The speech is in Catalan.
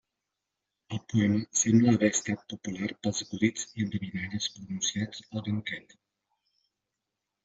El poema sembla haver estat popular pels acudits i endevinalles pronunciats al banquet.